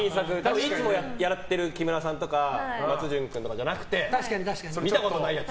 いつもやってる木村さんとか松潤君とかじゃなくて見たことないやつ。